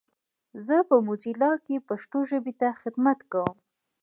زه په موزیلا کې پښتو ژبې ته خدمت کوم.